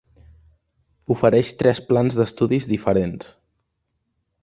Ofereix tres plans d'estudis diferents.